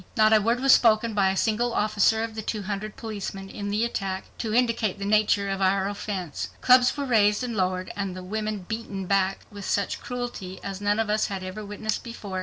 Not a word was spoken by a single officer of the two hundred policemen in the attack to indicate the nature of our offense. Clubs were raised and lowered and the women beaten back with such cruelty as none of us had ever witnessed before.